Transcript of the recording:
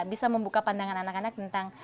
bisa membuka pandangan anak anak tentang